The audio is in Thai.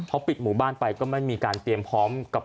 พอปิดหมู่บ้านไปก็ไม่มีการเตรียมพร้อมกับ